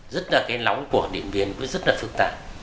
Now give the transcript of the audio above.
rất là cái lóng của điện viên cũng rất là phức tạp